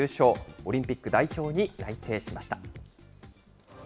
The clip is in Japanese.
オリンピック代表に内定しました。